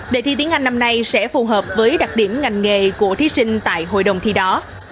đề thi tiếng anh năm nay sẽ phù hợp với đặc điểm ngành nghề của thí sinh tại hội đồng thi đó